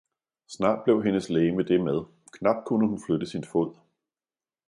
snart blev hendes legeme det med, knap kunne hun flytte sin fod.